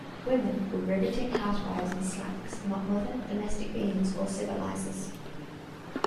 Women were riveting housewives in slacks, not mother, domestic beings, or civilizers.